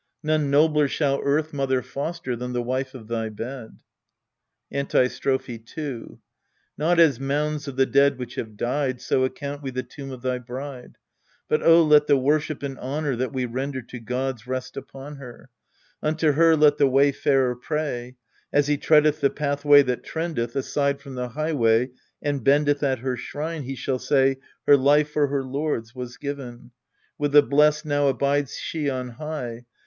None nobler shall Earth mother foster Than the wife of thy bed. Antistrophe 2 Not as mounds of the dead which have died, so account we the tomb of thy bride, But oh, let the worship and honour that we render to gods rest upon her : Unto her let the wayfarer pray. As he treadeth the pathway that trendeth Aside from the highway, and bendeth At her shrine, he shall say :" Her life for her lord's was given ; With the blest now abides she on high.